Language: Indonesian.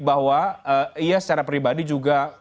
bahwa ia secara pribadi juga